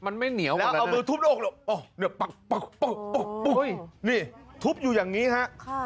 แล้วเอามือทุบในอกเลยนี่ทุบอยู่อย่างนี้ฮะ